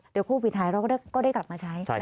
เดี๋ยวพรุ่งปีท้ายเราก็ได้กลับมาใช้